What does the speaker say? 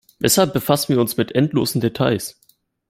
Weshalb befassen wir uns mit endlosen Details?